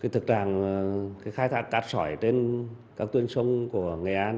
thực ra khai thác cát sỏi trên các tuyên sông của nghệ an